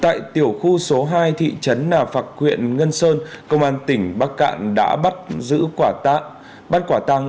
tại tiểu khu số hai thị trấn nà phạc huyện ngân sơn công an tỉnh bắc cạn đã bắt quả tăng